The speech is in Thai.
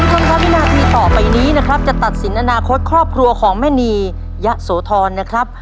ทุกคนค่ะวินาทีต่อไปนี้นะครับจะตัดสินอนาคตครอบครัวของแม่นียศโทรณ์นะครับ